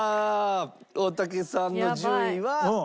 大竹さんの順位は。